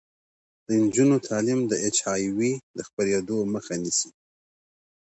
د نجونو تعلیم د اچ آی وي خپریدو مخه نیسي.